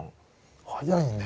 早いね。